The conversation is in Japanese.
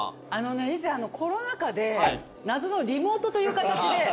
以前コロナ禍で謎のリモートという形で。